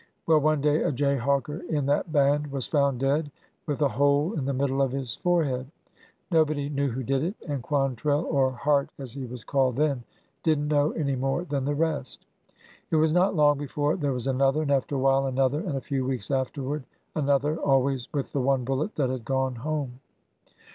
Well, one day a jayhawker in that band was found dead with a hole in the middle of his forehead. Nobody knew who did it. And Quantrell, or Hart as he was called then, did nl know any more than the rest. It was not long before there was another, and after a while another, and a few weeks afterward another— always with the one bullet that had gone home.